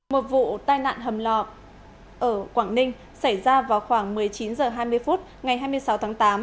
một vụ tai nạn hầm lọ ở quảng ninh xảy ra vào khoảng một mươi chín h hai mươi phút ngày hai mươi sáu tháng tám